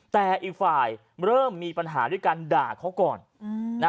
แต่อีกฝ่ายเริ่มมีปัญหาด้วยการด่าเขาก่อน